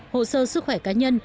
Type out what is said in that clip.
hồ sơ sức khỏe cá nhân